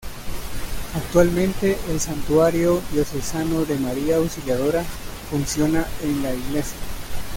Actualmente, el Santuario Diocesano de María Auxiliadora funciona en la iglesia.